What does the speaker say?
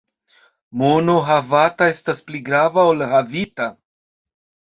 Mono havata estas pli grava ol havita.